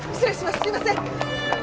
すいません。